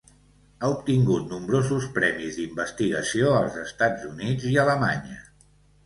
Ha obtingut nombrosos premis d'investigació als Estats Units i Alemanya.